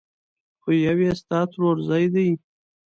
خو يو يې ستا ترورزی دی!